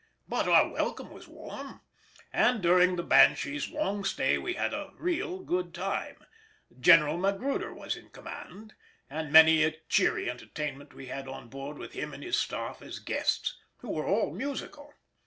But our welcome was warm, and during the Banshee's long stay we had a real good time; General Magruder was in command, and many a cheery entertainment we had on board with him and his staff as guests, who were all musical.